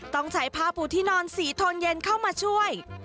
ต้องใช้ผ้าปูที่นอนสีโทนเย็นเข้ามาช่วย